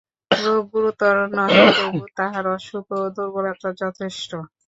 রোগ গুরুতর নহে, তবু তাহার অসুখ ও দুর্বলতা যথেষ্ট।